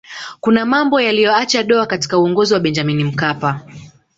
kuna mambo yaliyoacha doa katika uongozi wa benjamini mkapa